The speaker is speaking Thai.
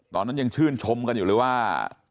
ตอนนั้นยังชื่นชมกันอยู่เลยว่า